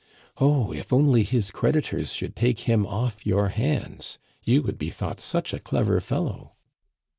"Oh, if only his creditors should take him off your hands! You would be thought such a clever fellow!